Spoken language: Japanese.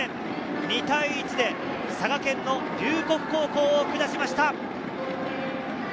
２対１で佐賀県の龍谷高校を下しました。